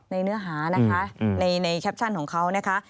เนื้อหานะคะในแคปชั่นของเขานะคะ